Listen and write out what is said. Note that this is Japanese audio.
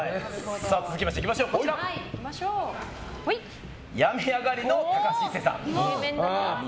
続いて病み上がりの高橋一生さん。